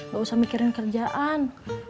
gak usah mikirin kerjaan